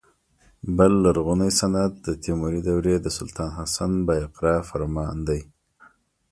بل لرغونی سند د تیموري دورې د سلطان حسن بایقرا فرمان دی.